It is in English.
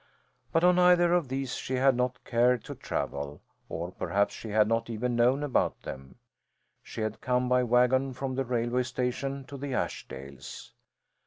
But on either of these she had not cared to travel or perhaps she had not even known about them. She had come by wagon from the railway station to the Ashdales.